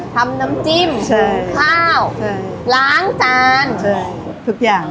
ทำน้ำจิ้มข้าวล้างจานใช่ทุกอย่าง